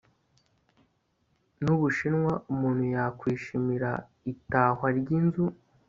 n Ubushinwa umuntu yakwishimira itahwa ry Inzu